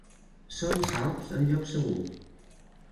Són salvs en lloc segur.